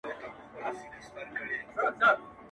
ولاړل د فتح سره برېتونه د شپېلیو؛